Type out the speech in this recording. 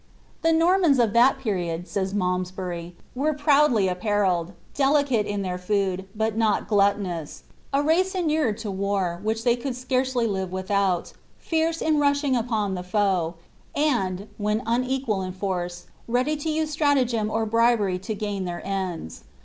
^ The Normans of that period," says Malmsbury, ^ were proudly ap parelled, delicate in their food, but not gluttonous ; a race inured to war, which diey could scarcely live without ; fierce in rushing upon the foe, and, when unequal in force, ready to use stratagem or bribery to gain their ends.